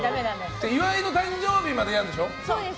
じゃあ岩井の誕生日までやるんでしょ。